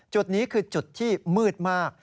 จุดนี้คือจุดที่มืดมาก